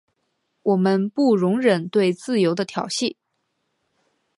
我们不容忍对自由的挑衅。